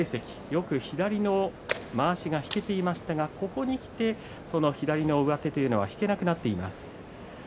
よく左のまわしが引けていましたがここにきて、その左の上手が引けなくなっています。